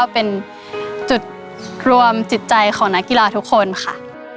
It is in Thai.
เป็นจุดรวมจิตใจของนักกีฬาทุกคนค่ะ